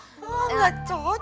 iya makanya gak cocok tante